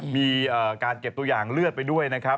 มีการเก็บตัวอย่างเลือดไปด้วยนะครับ